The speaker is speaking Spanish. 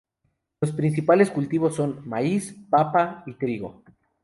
Los principales cultivos son: maíz, papa y trigo.